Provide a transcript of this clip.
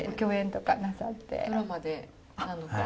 ドラマで何度か。